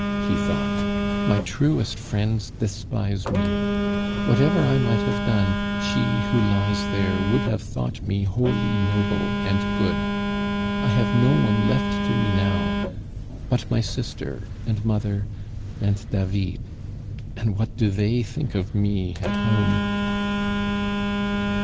he thought. "My truest friends despise me. Whatever I might have done, she who lies here would have thought me wholly noble and good. I have no one left to me now but my sister and mother and David. And what do they think of me at home?"